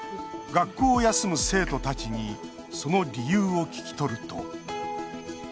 学校を休む生徒たちにその理由を聞き取ると。